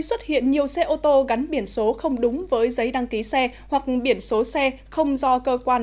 xuất hiện nhiều xe ô tô gắn biển số không đúng với giấy đăng ký xe hoặc biển số xe không do cơ quan